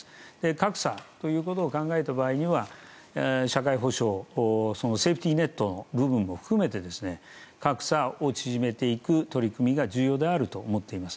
格差ということを考えた場合は社会保障、セーフティーネットの部分も含めて格差を縮めていく取り組みが重要であると思っています。